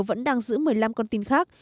vẫn đang giữ một mươi năm con tin khác